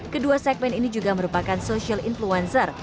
kedua segmen ini juga merupakan social influencer